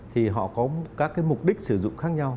thì họ có các cái mục đích sử dụng khác nhau